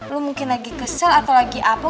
lu mungkin lagi kesel atau lagi apa